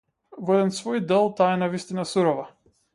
Во еден свој дел таа е навистина сурова.